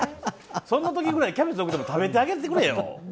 その時くらいキャベツが多くても食べてやってくれよ。